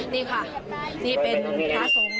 นี่ค่ะนี่เป็นพระสงฆ์